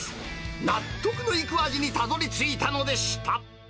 納得のいく味にたどりついたのでした。